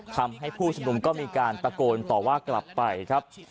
ผู้ชุมนุมก็มีการตะโกนต่อว่ากลับไปครับ